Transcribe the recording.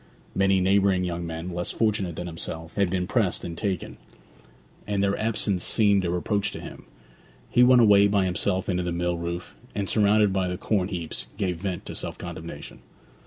Many neighbouring young men, less fortunate than himself, had been pressed and taken; and their absence seemed a reproach to him. He went away by himself into the mill roof, and, surrounded by the corn heaps, gave vent to self condemnation.